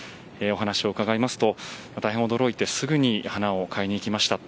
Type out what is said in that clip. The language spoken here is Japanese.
お話を伺いますと大変驚いてすぐにお花を買いに行きました。